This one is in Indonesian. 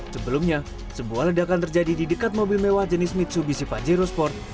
sebelumnya sebuah ledakan terjadi di dekat mobil mewah jenis mitsubishi pajero sport